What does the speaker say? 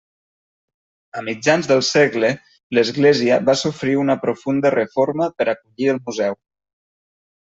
A mitjans del segle l'Església va sofrir una profunda reforma per acollir el Museu.